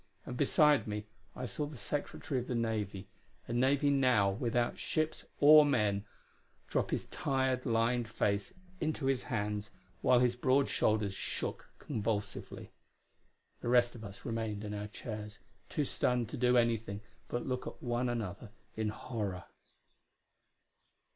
And, beside me, I saw the Secretary of the Navy, a Navy now without ships or men, drop his tired, lined face into his hands, while his broad shoulders shook convulsively. The rest of us remained in our chairs, too stunned to do anything but look at one another in horror.